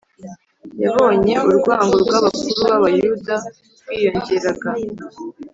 yabonye urwango rw’abakuru b’abayuda rwiyongeraga,